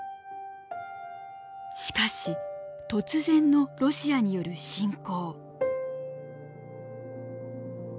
しかし突然のロシアによる侵攻。